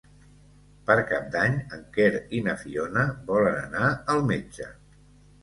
Per Cap d'Any en Quer i na Fiona volen anar al metge.